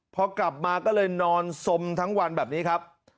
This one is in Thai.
พอกลับมาก็เลยนอนสมทั้งวันแบบนี้ครับ